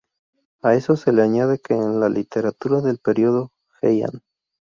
A eso se le añade que en la literatura del periodo Heian.